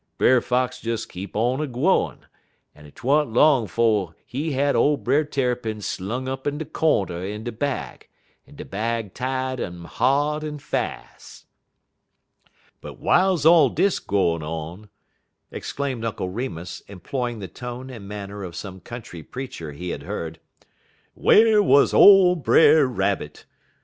Brer Fox des keep on a gwine, en 't wa'n't long 'fo' he had ole Brer Tarrypin slung up in de cornder in de bag, en de bag tied un hard en fas'. "But w'iles all dis gwine on," exclaimed Uncle Remus, employing the tone and manner of some country preacher he had heard, "whar wuz ole Brer Rabbit?